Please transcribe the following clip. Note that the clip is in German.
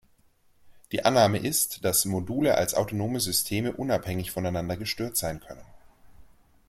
Die Annahme ist, dass Module als autonome Systeme unabhängig voneinander gestört sein können.